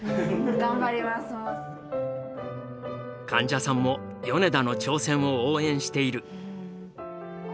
患者さんも米田の挑戦を応援している。